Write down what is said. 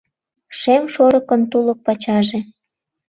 Шем шорыкын тулык пачаже